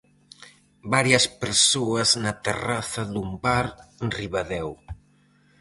Varias persoas na terraza dun bar en Ribadeo.